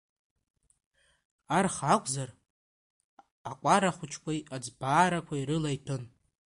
Арха акәзар, акәара хәыҷқәеи, аӡбаарақәеи рыла иҭәын.